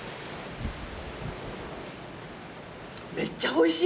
めっちゃおいしい！